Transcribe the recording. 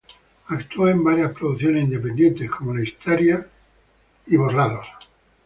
Actuó en varias producciones independientes, como la histeria y Borrados.